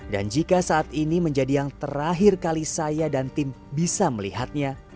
dan jika saat ini menjadi yang terakhir kali saya dan tim bisa melihatnya